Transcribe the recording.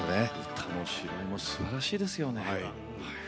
歌も芝居もすばらしいですよね。